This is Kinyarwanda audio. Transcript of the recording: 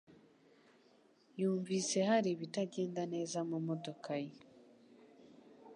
Yumvise hari ibitagenda neza mumodoka ye.